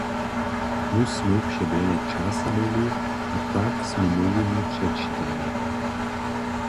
My smy přewjele časa měli a tak smy nowinu přečitali.